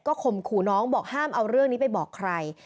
ข่มขู่น้องบอกห้ามเอาเรื่องนี้ไปบอกใคร